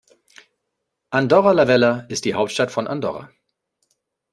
Andorra la Vella ist die Hauptstadt von Andorra.